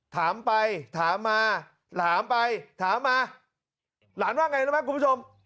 ถามไปถามมาถามไปถามมาหลานว่าไงรู้ไหมคุณผู้ชม